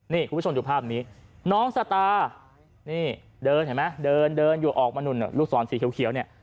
นี่คุณผู้ชมดูภาพนี้น้องสตาร์เดินอยู่ออกมานุ่นลูกศรสีเขียวเนี่ย